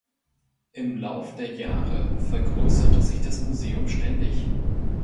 Im Lauf der Jahre vergrößerte sich das Museum ständig.